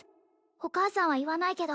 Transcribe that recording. お母さんは言わないけど